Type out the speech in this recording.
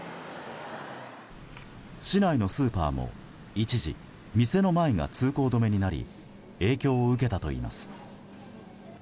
市内のスーパーも一時、店の前が通行止めになり影響を受けたといいます。